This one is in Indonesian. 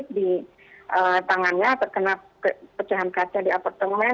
luka sedikit di tangannya terkena pecahan kaca di apartemen